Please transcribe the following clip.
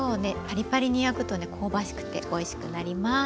パリパリに焼くとね香ばしくておいしくなります。